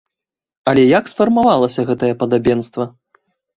Але як сфармавалася гэтае падабенства?